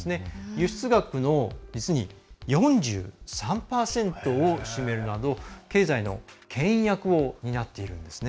輸出額の実に４３％を占めるなど経済のけん引役を担っているんですね。